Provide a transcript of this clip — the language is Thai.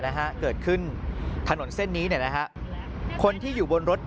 แล้วเมื่อกี้แลนด์มันอยู่ตรงเรา